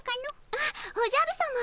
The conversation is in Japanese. あっおじゃるさま。